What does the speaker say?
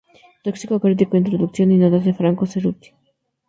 Texto crítico, introducción y notas de Franco Cerutti.